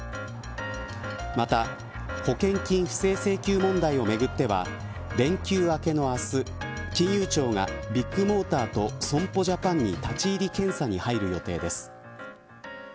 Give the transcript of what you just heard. また、保険金不正請求問題をめぐっては連休明けの明日金融庁がビッグモーターと損保ジャパンに立ち入り検査に入る予定です。